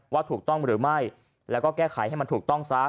ว่าถูกต้องหรือไม่แล้วก็แก้ไขให้มันถูกต้องซะ